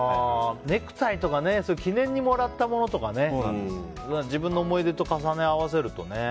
ネクタイとか記念にもらったものとか自分の思い出と重ね合わせるとね。